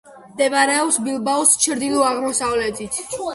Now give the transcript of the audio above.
მდებარეობს ბილბაოს ჩრდილო-აღმოსავლეთით.